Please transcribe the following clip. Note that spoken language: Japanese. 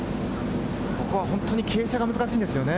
ここは本当に傾斜が難しいんですよね。